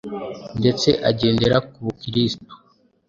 ndetse agendera ku bukristu,